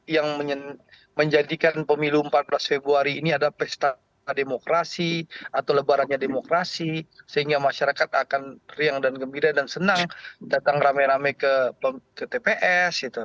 yang menjadikan pemilu empat belas februari ini adalah pesta demokrasi atau lebarannya demokrasi sehingga masyarakat akan riang dan gembira dan senang datang rame rame ke tps